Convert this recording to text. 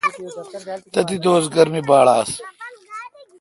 تھتی دوس گرمی باڑ آس۔